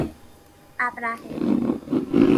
ابرهه